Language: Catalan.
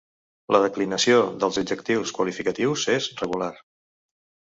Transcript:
La declinació dels adjectius qualificatius és regular.